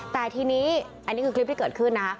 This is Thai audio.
แต่ทีนี้อันนี้คือคลิปที่เกิดขึ้นนะ